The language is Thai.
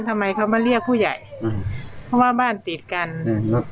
ทำไมเขามาเรียกผู้ใหญ่อืมเพราะว่าบ้านติดกันอืมครับ